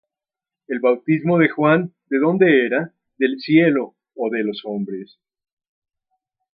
El bautismo de Juan, ¿de dónde era? ¿del cielo, ó de los hombres?